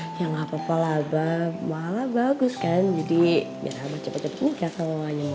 hai yang apa apa laba malah bagus kan jadi biar cepet cepet nikah seluanya